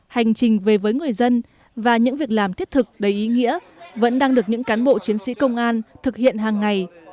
hành trình về với người dân và những việc làm thiết thực đầy ý nghĩa vẫn đang được những cán bộ chiến sĩ công an thực hiện hàng ngày